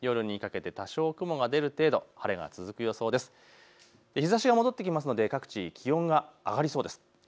多少、雲が出る程度、日ざしが戻ってきますので各地、気温が上がりそうです。